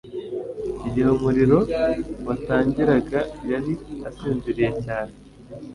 Igihe umuriro watangiraga yari asinziriye cyane